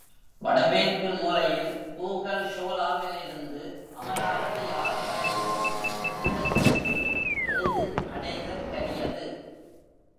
வட மேற்கு மூலையில், கூகல் ஷோலாவிலிருந்து அமராவதி ஆறுவரையிலும் உள்ள சரிவு எளிதில் அடைதற்கரியது.